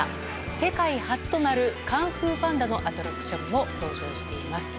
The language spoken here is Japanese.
世界初となる「カンフー・パンダ」のアトラクションも登場しています。